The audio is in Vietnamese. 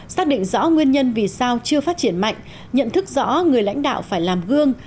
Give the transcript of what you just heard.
xác định rõ nguyên nhân vì sao chưa phát triển mạnh nhận thức rõ người lãnh đạo phải làm gương